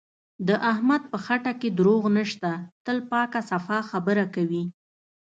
د احمد په خټه کې دروغ نشته، تل پاکه صفا خبره کوي.